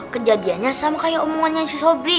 kejadiannya sama kayak omongannya si sobri